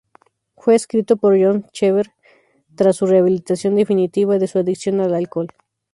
Fue escrito por John Cheever tras su rehabilitación definitiva de su adicción al alcohol.